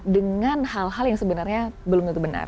dengan hal hal yang sebenarnya belum tentu benar